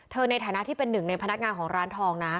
ในฐานะที่เป็นหนึ่งในพนักงานของร้านทองนะ